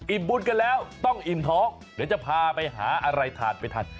บุญกันแล้วต้องอิ่มท้องเดี๋ยวจะพาไปหาอะไรทานไปทาน